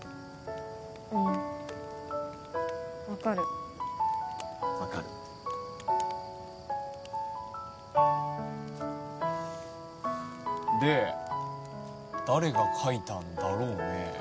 うん分かる分かるで誰が書いたんだろうね？